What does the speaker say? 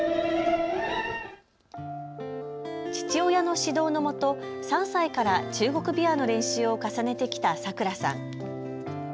父親の指導のもと、３歳から中国琵琶の練習を重ねてきたさくらさん。